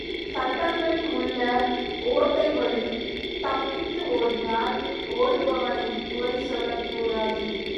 சட்டங்களில் உள்ள ஒட்டை வழித் தப்பித்து ஓடினால் ஓடுபவனைக் குறை சொல்லக் கூடாது.